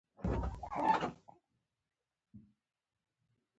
د بنسټپالو غیرت راونه پاروي.